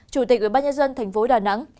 chủ tịch ủy ban nhân dân thành phố đà nẵng